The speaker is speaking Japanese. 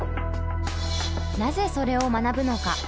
「なぜそれを学ぶのか？」